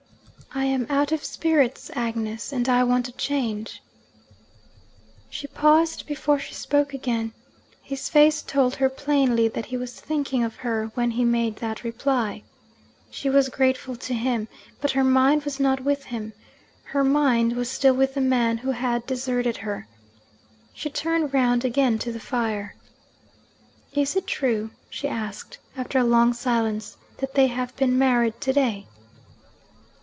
'I am out of spirits, Agnes, and I want a change.' She paused before she spoke again. His face told her plainly that he was thinking of her when he made that reply. She was grateful to him, but her mind was not with him: her mind was still with the man who had deserted her. She turned round again to the fire. 'Is it true,' she asked, after a long silence, 'that they have been married to day?'